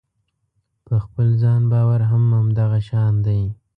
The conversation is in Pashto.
په خپل ځان باور هم همدغه شان دی.